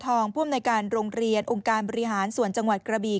ที่อย่างรวมในการโรงเรียนองค์การบริหารศวนป์จังหวัดกระบี